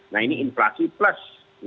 nah ini inflasi plus